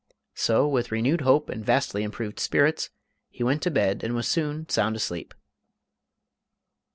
So, with renewed hope and in vastly improved spirits, he went to bed and was soon sound asleep.